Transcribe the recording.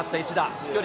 飛距離